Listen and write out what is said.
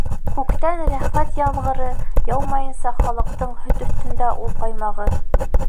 Күктән рәхмәт ямғыры яумайынса, Халыҡтың һөт өҫтөндә ул ҡаймағы.